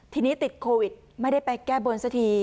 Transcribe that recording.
ทีนี้ติดโควิดไม่ได้ไปแก้บนสักที